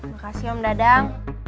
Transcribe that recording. makasih om dadang